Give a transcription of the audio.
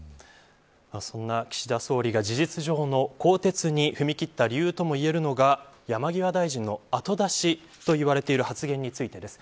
そんな岸田総理が事実上の更迭に踏み切った理由ともいえるのが山際大臣の後出しと言われている発言についてです。